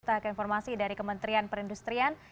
kita ke informasi dari kementerian perindustrian